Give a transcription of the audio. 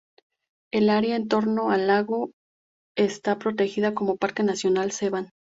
El área en torno al lago está protegida como Parque nacional Seván.